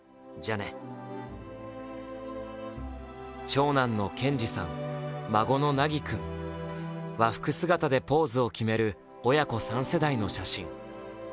長男の建志さん、孫の凪君、和服姿でポーズを決める親子三世代の写真。